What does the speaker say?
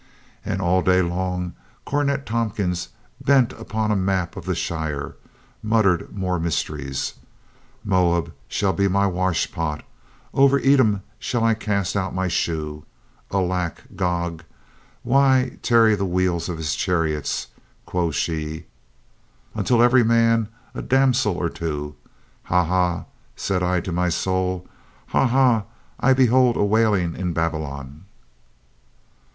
And all the day long Cornet Tompkins, bent upon a map of the shire, muttered more mysteries. "Moab shall be my wash pot Over 90 COLONEL GREATHEART Edom shall I cast out my shoe. Alack, Gog. Why tarry the wheels of his chariots, quo' she. Unto every man a damsel or two. 'Ha, ha,' said I to my soul, 'ha, ha.' I behold a wailing in Babylon."